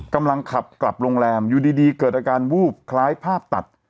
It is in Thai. กำลังขับกลับโรงแรมอยู่ดีเกิดอาการวูบคล้ายภาพตัด